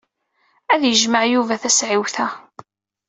Ad t-yejmeɛ Yuba taswiɛt-a.